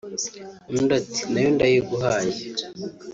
" Undi ati "Na yo ndayiguhaye